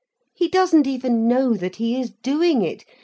He doesn't even know that he is doing it.